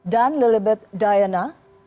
dan lilibeth diana